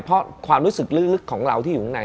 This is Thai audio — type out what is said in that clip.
เพราะความรู้สึกลึกของเราที่อยู่ข้างใน